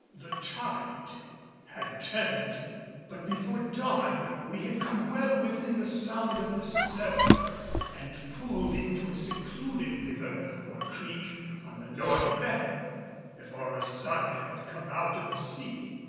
The tide had turned; but before dawn we had come well within the sound of the surf and pulled into a secluded river or creek on the north bank, before the sun had come out of the sea.